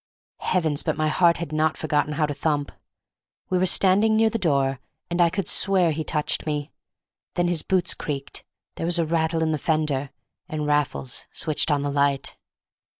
Heavens, but my heart had not forgotten how to thump! We were standing near the door, and I could swear he touched me; then his boots creaked, there was a rattle in the fender—and Raffles switched on the light.